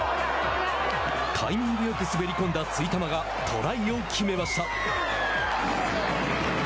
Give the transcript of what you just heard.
タイミングよく滑り込んだツイタマがトライを決めました。